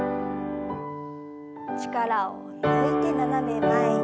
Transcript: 力を抜いて斜め前に。